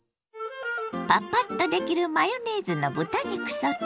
パパッとできるマヨネーズの豚肉ソテー。